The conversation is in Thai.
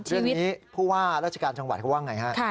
เรื่องนี้ผู้ว่าราชการจังหวัดเขาว่าไงฮะ